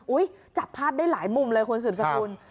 อุ๊ยจับภาพได้หลายมุมเลยคุณสุรินทร์สกุล